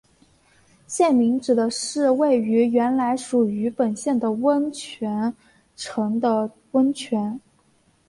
县名指的是位于原来属于本县的温泉城的温泉。